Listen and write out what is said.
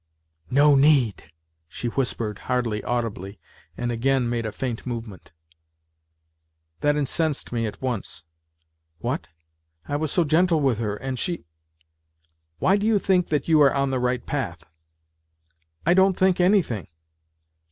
" No need," she whispered hardly audibly, and again made a faint movement. That incensed me at once. What ! I was so gentle with her, and she. ..." Why, do you think that you are on the right path ?"" I don't think anything."